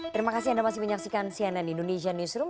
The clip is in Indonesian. terima kasih anda masih menyaksikan cnn indonesia newsroom